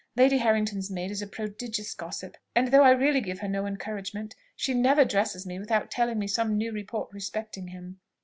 Lady Harrington's maid is a prodigious gossip; and though I really give her no encouragement, she never dresses me without telling me some new report respecting him.